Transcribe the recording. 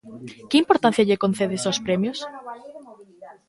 Que importancia lle concedes aos premios?